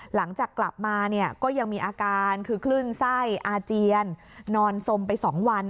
หลังจากกลับมาเนี่ยก็ยังมีอาการคือคลื่นไส้อาเจียนนอนสมไป๒วัน